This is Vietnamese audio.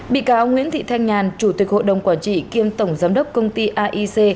bị cáo nguyễn thị thanh nhàn chủ tịch hội đồng quản trị kiêm tổng giám đốc công ty aic